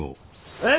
え！？